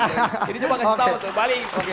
jadi coba gak usah tau tuh balik